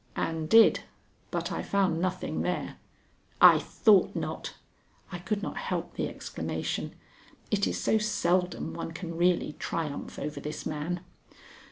"And did; but I found nothing there." "I thought not!" I could not help the exclamation. It is so seldom one can really triumph over this man.